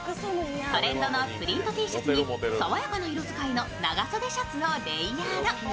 トレンドのプリントＴシャツに爽やかな色使いの長袖シャツのレイヤード。